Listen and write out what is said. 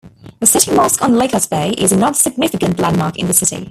The City Mosque on Likas Bay is another significant landmark in the city.